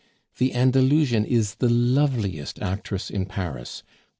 The Andalusian is the loveliest actress in Paris.